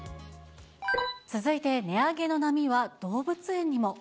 続いて、値上げの波は動物園にも。